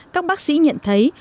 các bác sĩ nhận thấy